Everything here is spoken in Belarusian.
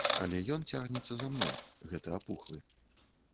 Але ён цягнецца за мной, гэты апухлы.